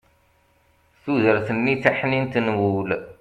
tudert-nni taḥnint n wul